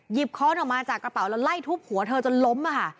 ค้อนออกมาจากกระเป๋าแล้วไล่ทุบหัวเธอจนล้มค่ะ